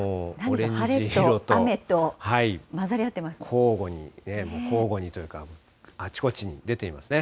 交互に、もう交互にというか、あちこちに出ていますね。